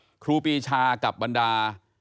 และครูปีชากับวรรดา